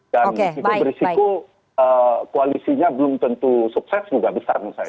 dan itu berisiko koalisinya belum tentu sukses juga besar menurut saya